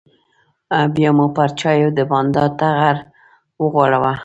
بیا مو پر چایو د بانډار ټغر وغوړاوه.